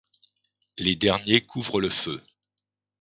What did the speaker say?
Les derniers couvrent le feu.